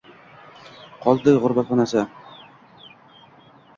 Qoldi — g’urbatxonasi.